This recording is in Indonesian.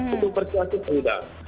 itu persuasif sudah